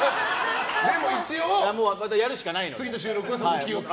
でもやるしかないので。